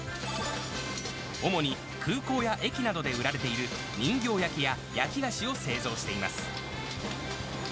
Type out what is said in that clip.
主に空港や駅などで売られている人形焼きや、焼き菓子を製造しています。